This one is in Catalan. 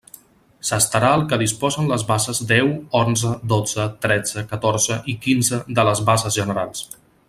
S'estarà al que disposen les bases deu, onze, dotze, tretze, catorze i quinze de les bases generals.